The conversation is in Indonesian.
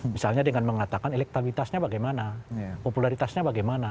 misalnya dengan mengatakan elektabilitasnya bagaimana popularitasnya bagaimana